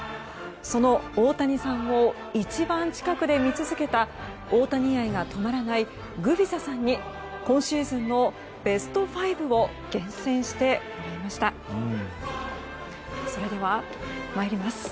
その大谷さんを一番近くで見続けた大谷愛が止まらないグビザさんに今シーズンのベスト５を厳選してもらいました。